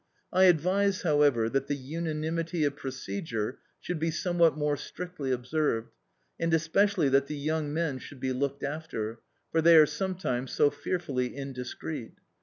I advise, however, that the unanimity of procedure should be somewhat more strictly observed, and especially that the young men should be looked after, for they are sometimes so fearfully indiscreet.